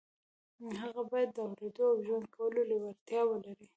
هغه بايد د اورېدو او ژوند کولو لېوالتیا ولري.